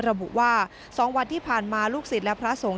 ระบุว่า๒วันที่ผ่านมาลูกศิษย์และพระสงฆ์